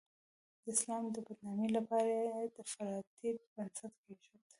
د اسلام د بدنامۍ لپاره یې د افراطیت بنسټ کېښود.